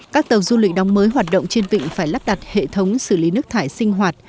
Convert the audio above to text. các tàu du lịch đóng mới hoạt động trên vịnh phải lắp đặt hệ thống xử lý nước thải sinh hoạt